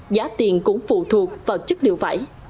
giá tiền cũng phụ thuộc vào chất liệu vải